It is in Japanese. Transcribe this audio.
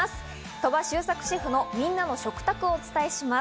鳥羽周作シェフのみんなの食卓をお伝えします。